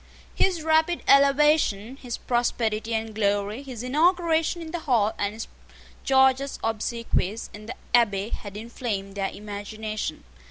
His rapid elevation, his prosperity and glory, his inauguration in the Hall, and his gorgeous obsequies in the Abbey, had inflamed their imagination.